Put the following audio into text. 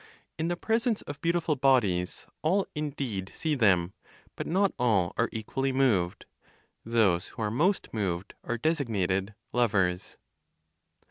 In the presence of beautiful bodies, all indeed see them; but not all are equally moved. Those who are most moved are designated "lovers."